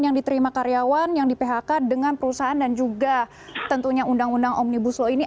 yang diterima karyawan yang di phk dengan perusahaan dan juga tentunya undang undang omnibus law ini